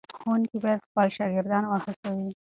ښوونکي باید خپل شاګردان وهڅوي.